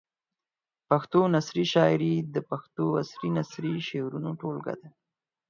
پښتو نثري شاعري د پښتو عصري نثري شعرونو ټولګه ده.